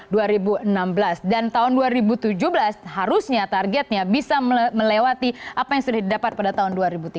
tahun dua ribu tujuh belas harusnya targetnya bisa melewati apa yang sudah didapat pada tahun dua ribu tiga belas